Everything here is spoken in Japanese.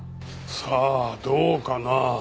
さあどうかな？